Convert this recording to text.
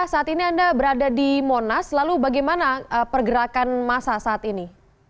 saat ini anda berada di monas lalu bagaimana pergerakan masa saat ini